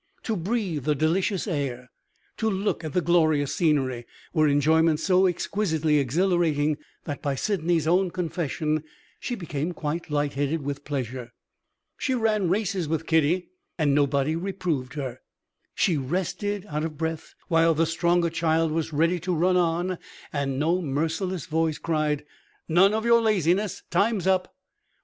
To breathe the delicious air, to look at the glorious scenery, were enjoyments so exquisitely exhilarating that, by Sydney's own confession, she became quite light headed with pleasure. She ran races with Kitty and nobody reproved her. She rested, out of breath, while the stronger child was ready to run on and no merciless voice cried "None of your laziness; time's up!"